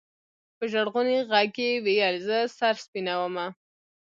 په ژړغوني ږغ يې ويل زه سر سپينومه.